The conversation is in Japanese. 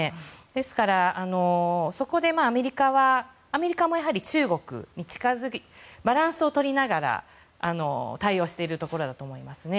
ですから、そこでアメリカもやはり中国に近づきバランスを取りながら対応しているところだと思います。